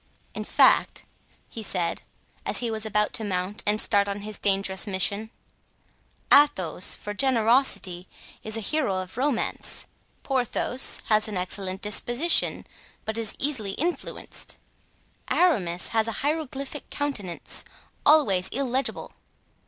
"In fact," he said, as he was about to mount and start on his dangerous mission, "Athos, for generosity, is a hero of romance; Porthos has an excellent disposition, but is easily influenced; Aramis has a hieroglyphic countenance, always illegible.